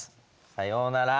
さようなら。